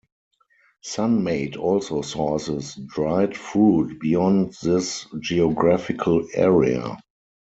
Sun-Maid also sources dried fruit beyond this geographical area.